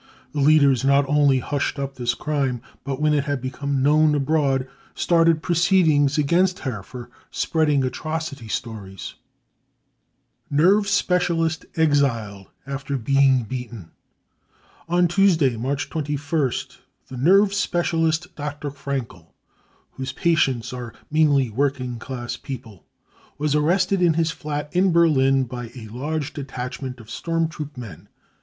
The leaders not only hushed up this crime, but when it had become known abroad started proceedings against her for spreading " atrocity stories." c BRUTALITY AND TORTURE 219 Nerve Specialist Exiled After Being Beaten. On Tuesday March 21st the nerve specialist Dr. Fraenkel, whose patients are mainly working class people, was arrested in his flat in Berlin by a large detachment of storm troop men.